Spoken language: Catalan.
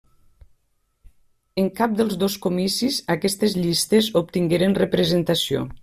En cap dels dos comicis aquestes llistes obtingueren representació.